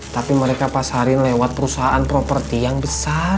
tapi mereka pasarin lewat perusahaan properti yang besar